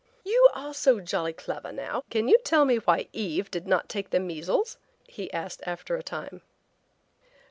"You are so jolly clever, now; can you tell me why Eve did not take the measles?" he asked after a time.